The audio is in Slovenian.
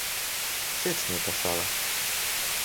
Všeč mi je ta šala.